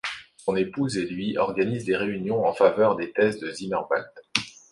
Son épouse et lui organisent des réunions en faveur des thèses de Zimmerwald.